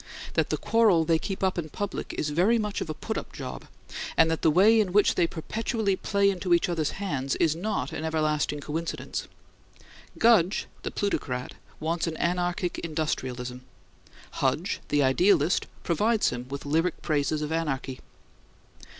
That the quarrel they keep up in public is very much of a put up job, and that the way in which they perpetually play into each other's hands is not an everlasting coincidence. Gudge, the plutocrat, wants an anarchic industrialism; Hudge, the idealist, provides him with lyric praises of anarchy.